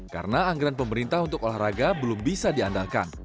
karena anggaran pemerintah untuk olahraga belum bisa diandalkan